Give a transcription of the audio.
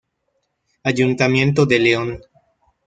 Ayuntamiento de León.